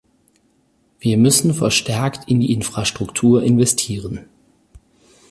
Wir müssen verstärkt in die Infrastruktur investieren.